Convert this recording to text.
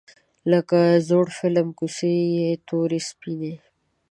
لکه زوړ فیلم کوڅې یې تورې سپینې